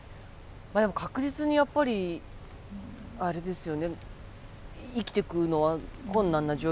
まあでも確実にやっぱりあれですよね。